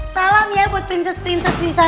salam ya buat prinses prinses disana